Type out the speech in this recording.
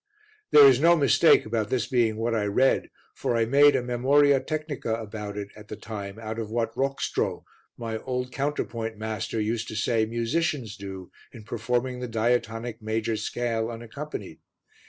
There is no mistake about this being what I read, for I made a memoria technica about it at the time out of what Rockstro, my old counterpoint master, used to say musicians do in performing the diatonic major scale unaccompanied.